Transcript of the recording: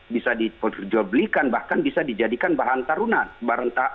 bisa dijoblikan bahkan bisa dijadikan bahan taruhan